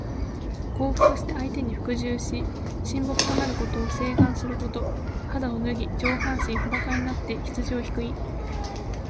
降伏して相手に服従し、臣僕となることを請願すること。肌を脱ぎ、上半身裸になって羊をひく意。